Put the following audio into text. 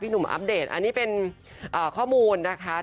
หนุ่มอัปเดตอันนี้เป็นข้อมูลนะคะ